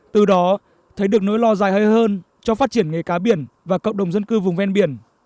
từ đó thấy được nỗi lo dài hơi hơn cho phát triển nghề cá biển và cộng đồng dân cư vùng ven biển